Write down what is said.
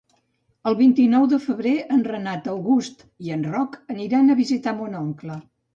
El vint-i-nou de febrer en Renat August i en Roc aniran a visitar mon oncle.